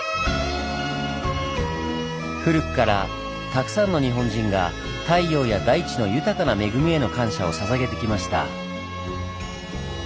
古くからたくさんの日本人が太陽や大地の豊かな恵みへの感謝をささげてきました。